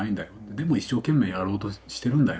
でも一生懸命やろうとしてるんだよ。